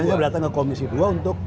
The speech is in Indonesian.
saya datang ke komisi dua untuk